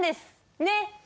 ねっ？